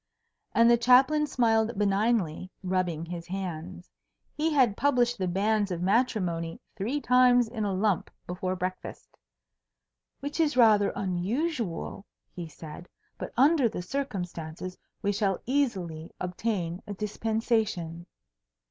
And the Chaplain smiled benignly, rubbing his hands. He had published the banns of matrimony three times in a lump before breakfast. "Which is rather unusual," he said; "but under the circumstances we shall easily obtain a dispensation."